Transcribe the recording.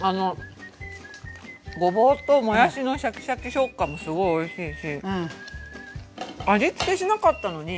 ごぼうともやしのシャキシャキ食感もすごいおいしいし味付けしなかったのに。